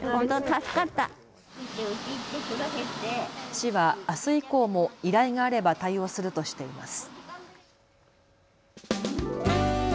市はあす以降も依頼があれば対応するとしています。